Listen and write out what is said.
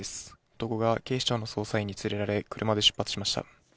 男が、警視庁の捜査員に連れられ、車で出発しました。